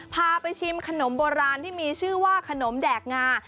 พาไปชิมขนมโบราณที่มีชื่อว่าขนมแดกงา